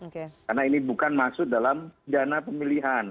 karena ini bukan masuk dalam dana pemilihan